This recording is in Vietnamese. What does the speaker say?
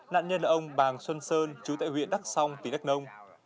nạn nhân là ông bàng xuân sơn chú tại huyện đắc song tỉnh đắc nông